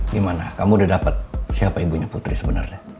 gimana kamu udah dapet siapa ibunya putri sebenernya